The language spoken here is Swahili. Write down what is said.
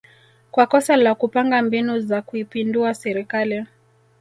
kwa kosa la kupanga mbinu za kuipindua serikali